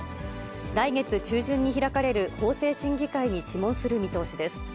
来月中旬に開かれる法制審議会に諮問する見通しです。